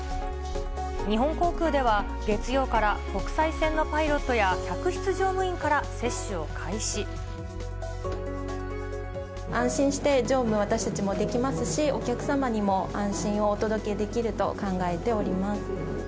日本航空では月曜から国際線のパイロットや、客室乗務員から接種安心して乗務、私たちもできますし、お客様にも安心をお届けできると考えております。